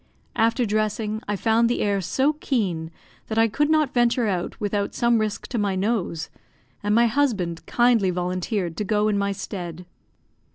After dressing, I found the air so keen that I could not venture out without some risk to my nose, and my husband kindly volunteered to go in my stead.